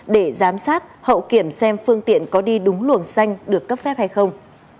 để giám sát hậu kiểm xem phương tiện có đi đúng luồng xanh được cấp phép hay không